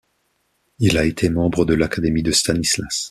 Il a été membre de l’Académie de Stanislas.